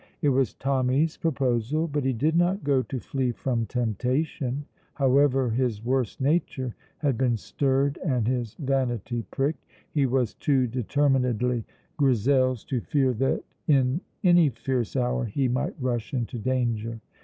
It was Tommy's proposal, but he did not go to flee from temptation; however his worse nature had been stirred and his vanity pricked, he was too determinedly Grizel's to fear that in any fierce hour he might rush into danger.